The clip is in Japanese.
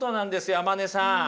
天希さん。